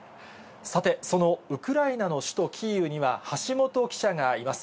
さて、そのウクライナの首都キーウには、橋本記者がいます。